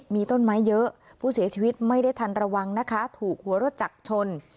มีต้นไม้เยอะผู้เสียชีวิตไม่ได้ทันระวังนะคะถูกหัวรถจักรชน